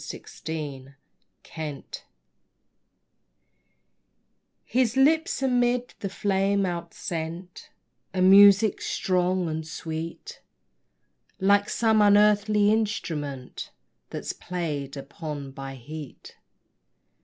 HUGH LATIMER His lips amid the flame outsent A music strong and sweet, Like some unearthly instrument That's played upon by heat.